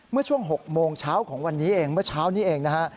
เมื่อช่วง๖โมงเช้าของวันนี้เองเมื่อเช้านี้เองนะฮะ